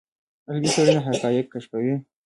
علمي څېړنه حقایق کشفوي.